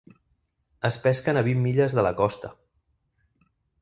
Es pesquen a vint milles de la costa.